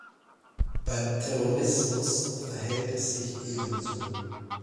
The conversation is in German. Beim Terrorismus verhält es sich ebenso.